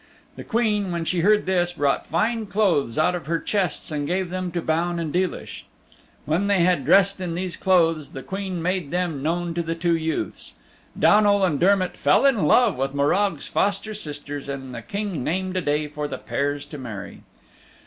The Queen, when she heard this, brought fine clothes out of her chests and gave them to Baun and Deelish. When they had dressed in these clothes the Queen made them known to the two youths. Downal and Dermott fell in love with Morag's foster sisters, and the King named a day for the pairs to marry.